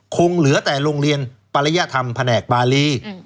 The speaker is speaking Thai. คงเหลือแต่โรงเรียนปริยธรรมแผนกบารี